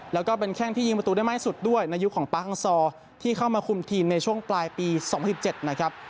แล้วก็เป็นแข่งที่ยิงประตูได้ไม่สุดด้วยในยุคของป๊าฮังซอร์ที่เข้ามาคุมทีมในช่วงปลายปีสองพันสิบเจ็ดนะครับ